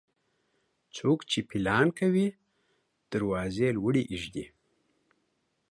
څوک چې پيلان کوي، دروازې لوړي اېږدي.